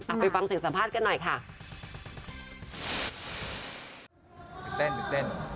ไปฟังเสียงสัมภาษณ์กันหน่อยค่ะ